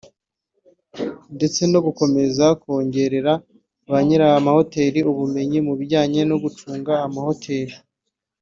ndetse no gukomeza kongerera ba nyiri amahoteli ubumenyi mu bijyanye no gucunga amahoteli